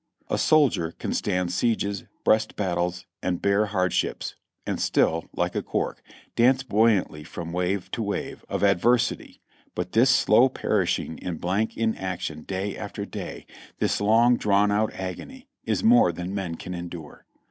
A soldier can stand sieges, breast battles, and bear hardships, and still, like a cork, dance buoyantly from wave to wave of ad versity, but this slow perishing in blank inaction day after day — this long drawn out agony, is more than men can endure.